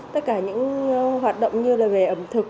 tất cả những hoạt động như là về ẩm thực